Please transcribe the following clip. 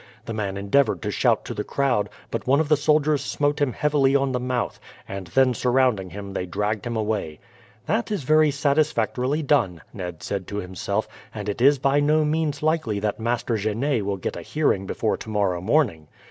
The man endeavoured to shout to the crowd; but one of the soldiers smote him heavily on the mouth, and then surrounding him they dragged him away. "That is very satisfactorily done," Ned said to himself, "and it is by no means likely that Master Genet will get a hearing before tomorrow morning.